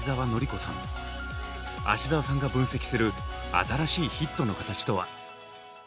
芦澤さんが分析する新しいヒットの形とは？